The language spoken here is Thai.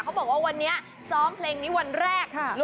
บอกว่าวันนี้ซ้อมเพลงนี้วันแรก